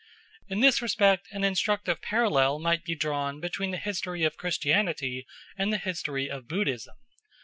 In this respect an instructive parallel might be drawn between the history of Christianity and the history of Buddhism.